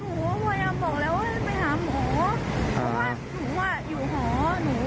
หูยังบอกแล้วว่าไปหาหมอเพราะว่าหนูอ่ะอยู่หอ